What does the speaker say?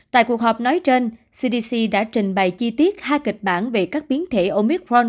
tại cuộc họp nói trên cdc đã trình bày chi tiết hai kịch bản về các biến thể omicron